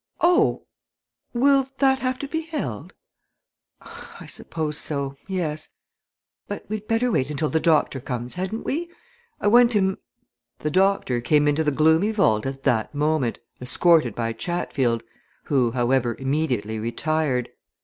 "Oh! will that have to be held? I suppose so yes. But we'd better wait until the doctor comes, hadn't we? I want him " The doctor came into the gloomy vault at that moment, escorted by Chatfield, who, however, immediately retired.